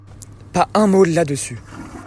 Pas un mot là-dessus.